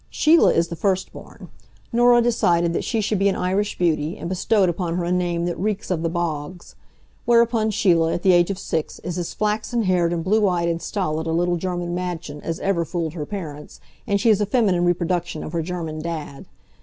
Sheila is the first born. Norah decided that she should be an Irish beauty, and bestowed upon her a name that reeks of the bogs. Whereupon Sheila, at the age of six, is as flaxen haired and blue eyed and stolid a little German madchen as ever fooled her parents, and she is a feminine reproduction of her German Dad.